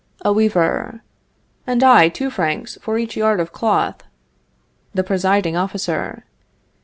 "A Weaver. And I two francs for each yard of cloth. "The Presiding Officer.